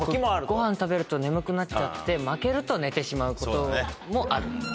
ごはん食べると眠くなっちゃって負けると寝てしまうこともある。